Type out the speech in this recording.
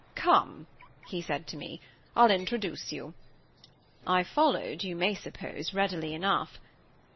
"Come," he said to me, "I'll introduce you." I followed, you may suppose, readily enough.